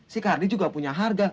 si kardi juga punya harga